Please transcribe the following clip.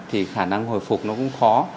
thì khả năng hồi phục nó cũng khó